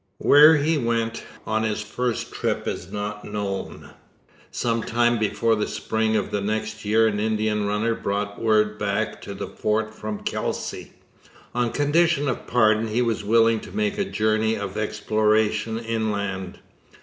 Where he went on this first trip is not known. Some time before the spring of the next year an Indian runner brought word back to the fort from Kelsey: on condition of pardon he was willing to make a journey of exploration inland.